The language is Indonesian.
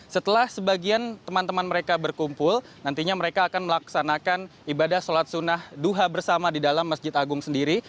setelah sebagian teman teman mereka berkumpul nantinya mereka akan melaksanakan ibadah sholat sunnah duha bersama di dalam masjid agung sendiri